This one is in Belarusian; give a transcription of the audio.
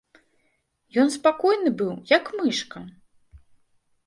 Ён спакойны быў як мышка!